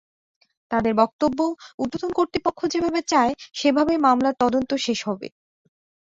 তাঁদের বক্তব্য ঊর্ধ্বতন কর্তৃপক্ষ যেভাবে চায়, সেভাবেই মামলার তদন্ত শেষ হবে।